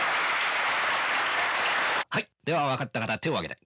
はいでは分かった方手を挙げて。